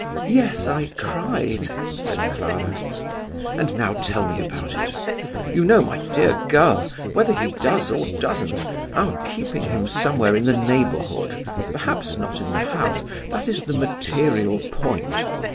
"Yes, I cried," said Clara. "And now tell me about it. You know, my dear girl, whether he does or doesn't, our keeping him somewhere in the neighbourhood perhaps not in the house that is the material point.